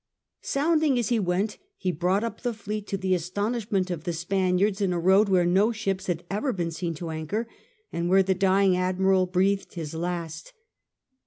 Sounding as he went, he brought up the fleet to the astonishment of the Spaniards in a road where no ships had ever been seen to anchor, and there the dying admiral breathed his last.